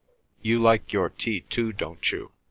"You like your tea too, don't you?"